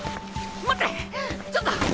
待ってちょっと！